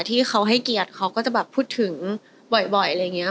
ที่เขาให้เกียรติเขาก็จะแบบพูดถึงบ่อยอะไรอย่างนี้